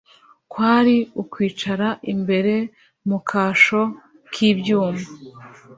kwari ukwicara imbere mu kasho k'ibyuma